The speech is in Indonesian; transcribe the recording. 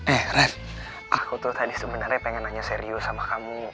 eh kan aku tuh tadi sebenarnya pengen nanya serius sama kamu